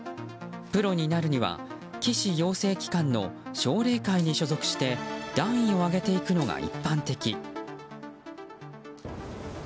プロになるには棋士養成機関の奨励会に所属して段位を上げていくのが一般的。